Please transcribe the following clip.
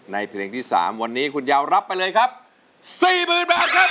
เพลงที่๓วันนี้คุณยาวรับไปเลยครับ๔๐๐๐บาทครับ